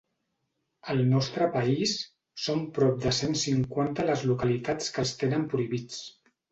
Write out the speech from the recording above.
Al nostre país, són prop de cent cinquanta les localitats que els tenen prohibits.